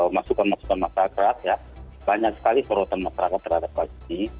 masukan masukan masyarakat ya banyak sekali perhatian masyarakat terhadap hal ini